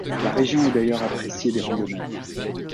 La région est d'ailleurs appréciée des randonneurs.